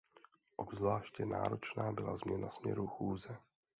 Obzvláště náročná byla změna směru chůze.